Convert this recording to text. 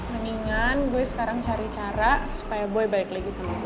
mendingan gue sekarang cari cara supaya gue balik lagi sama gue